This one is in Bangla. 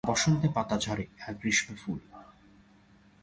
বসন্তে পাতা ঝরে আর গ্রীষ্মে ফুল।